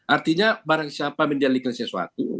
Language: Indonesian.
artinya para siapa mendalikan sesuatu